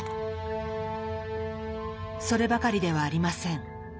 そればかりではありません。